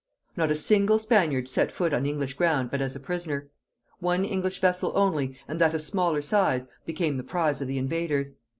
Not a single Spaniard set foot on English ground but as a prisoner; one English vessel only, and that of smaller size, became the prize of the invaders.